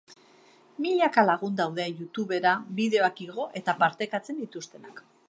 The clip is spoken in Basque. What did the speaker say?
Milaka lagun daude youtubera bideoak igo eta partekatzen dituztenak.